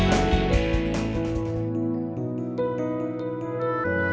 nanti terus berlaku